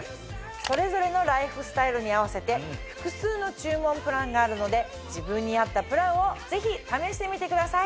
それぞれのライフスタイルに合わせて複数の注文プランがあるので自分に合ったプランをぜひ試してみてください。